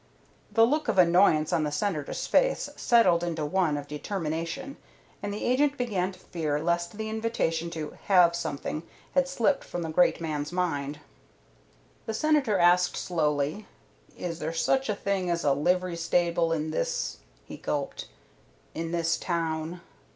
The look of annoyance on the Senator's face settled into one of determination, and the agent began to fear lest the invitation to "have something" had slipped from the great man's mind. The Senator asked slowly, "Is there such a thing as a livery stable in this" he gulped "in this town?"